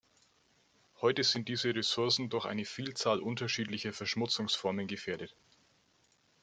Heute sind diese Ressourcen durch eine Vielzahl unterschiedlicher Verschmutzungsformen gefährdet.